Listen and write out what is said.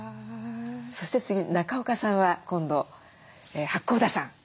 そして次中岡さんは今度八甲田山。